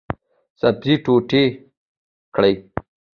سبزي ټوټې کړئ